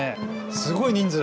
すごい人数。